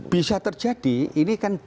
bisa terjadi ini kan